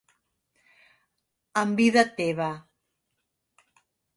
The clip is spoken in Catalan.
En vida teva.